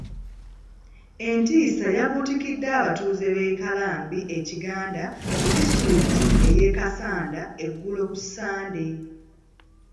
Entiisa yabuutikidde abatuuze b'e Kalamba e Kiganda mu disitulikiti y'e Kassanda eggulo ku Ssande.